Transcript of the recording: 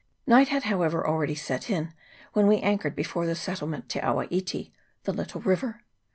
Night had however already set in when we anchored before the settlement Te awa iti (the little river).